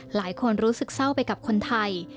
หลายคนรู้สึกเศร้าไปกับคนไทย